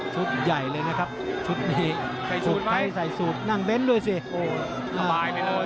ชุดใหญ่เลยนะครับชุดนี้ใส่สูบใส่สูบนั่งเว้นด้วยสิโอ้หลายไปเลย